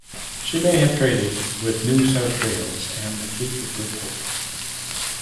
She may have traded with New South Wales and the Cape of Good Hope.